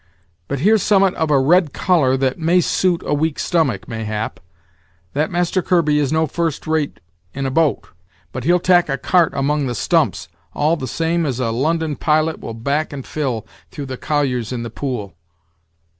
But here's summat of a red color that may suit a weak stomach, mayhap. That Master Kirby is no first rate in a boat; but he'll tack a cart among the stumps, all the same as a Lon'on pilot will back and fill, through the colliers in the Pool."